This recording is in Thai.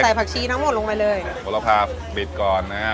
ใส่ผักชี้ทั้งหมดลงไปเลยหูระพาบิดก่อนนะฮะ